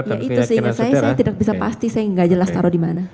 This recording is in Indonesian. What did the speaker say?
ya itu seingat saya saya tidak bisa pasti saya nggak jelas taruh di mana